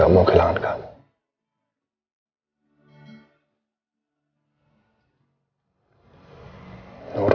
aku gak mau kehilangan kamu